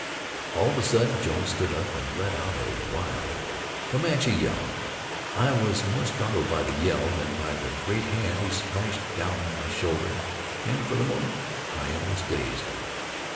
All of a sudden Jones stood up, and let out a wild Comanche yell. I was more startled by the yell than by the great hand he smashed down on my shoulder, and for the moment I was dazed.